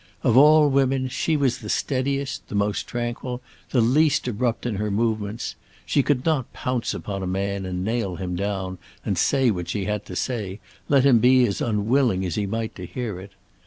Of all women she was the steadiest, the most tranquil, the least abrupt in her movements. She could not pounce upon a man, and nail him down, and say what she had to say, let him be as unwilling as he might to hear it.